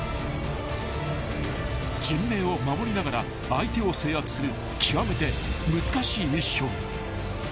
［人命を守りながら相手を制圧する極めて難しいミッション］